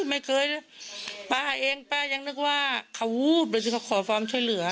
ไม่เคยนะป้าเองป้ายังนึกว่าเขาวูบเลยสิเขาขอความช่วยเหลือ